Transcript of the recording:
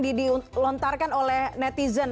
dilontarkan oleh netizen